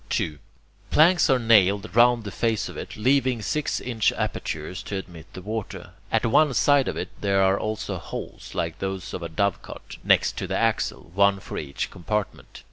2. Planks are nailed round the face of it, leaving six inch apertures to admit the water. At one side of it there are also holes, like those of a dovecot, next to the axle, one for each compartment.